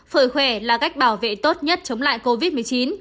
phổi khỏe là cách bảo vệ tốt nhất chống lại covid một mươi chín